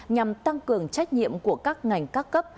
nhằm tăng cường trách nhiệm của các ngành các cấp